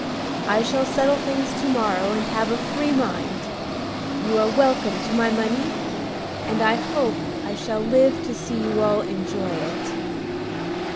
I shall settle things to morrow, and have a free mind. You are welcome to my money, and I hope I shall live to see you all enjoy it."